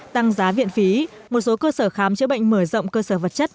tăng giá viện phí một số cơ sở khám chữa bệnh mở rộng cơ sở vật chất